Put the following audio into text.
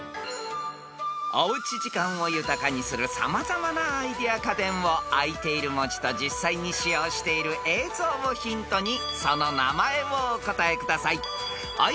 ［おうち時間を豊かにする様々なアイデア家電をあいている文字と実際に使用している映像をヒントにその名前をお答えください］